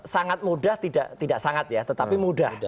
sangat mudah tidak sangat ya tetapi mudah